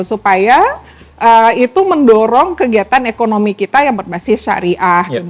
supaya itu mendorong kegiatan ekonomi kita yang berbasis syariah